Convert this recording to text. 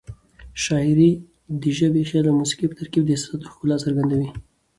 شاعري د ژبې، خیال او موسيقۍ په ترکیب د احساساتو ښکلا څرګندوي.